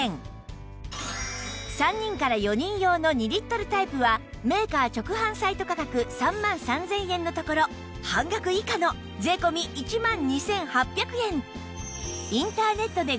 ３人から４人用の２リットルタイプはメーカー直販サイト価格３万３０００円のところ半額以下の税込１万２８００円